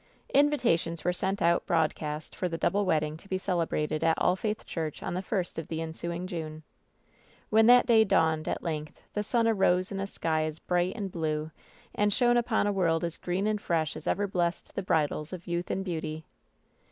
Invitations were sent out "broadcast" for the double wedding to be celebrated at All Faith Church on the first of the ensuing June. When that day dawned at length the sun arose in a sky as bright and blue and shone upon a world as green and fresh as ever blessed the bridals of youth and beauty.